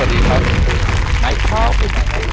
ดีครับสวัสดีครับ